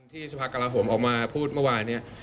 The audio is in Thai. ที่สภากราโหมออกมาพูดเมื่อวานเนี่ย